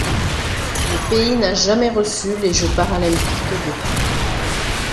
Le pays n'a jamais reçu les Jeux paralympiques d'été.